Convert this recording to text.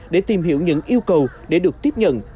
để tìm hiểu những yêu cầu để được tiếp nhận